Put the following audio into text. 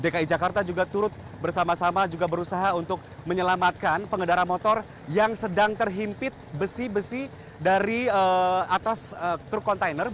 dki jakarta juga turut bersama sama juga berusaha untuk menyelamatkan pengendara motor yang sedang terhimpit besi besi dari atas truk kontainer